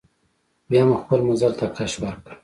بیا مو خپل مزل ته کش ورکړ.